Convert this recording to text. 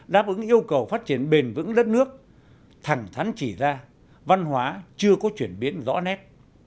đáp ứng yêu cầu phát triển bền vững đất nước thẳng thắn chỉ ra văn hóa chưa có chuyển biến rõ nét